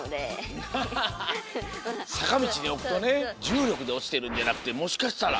さかみちにおくとねじゅうりょくでおちてるんじゃなくてもしかしたら。